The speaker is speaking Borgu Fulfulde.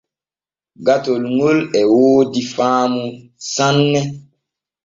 Gatol ŋol e woodi faamu sanne.